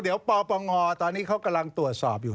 เดี๋ยวปปงตอนนี้เขากำลังตรวจสอบอยู่